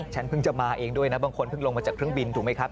ฉันเพิ่งจะมาเองด้วยนะบางคนเพิ่งลงมาจากเครื่องบินถูกไหมครับ